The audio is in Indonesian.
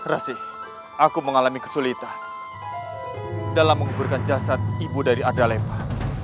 rasih aku mengalami kesulitan dalam menguburkan jasad ibu dari adalepa